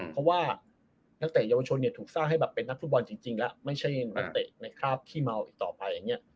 เพราะว่านักเตะเยาวชนถูกสร้างให้เป็นนักฟุตบอลจริงแล้วไม่ใช่นักเตะในคราบที่เมาต่อไป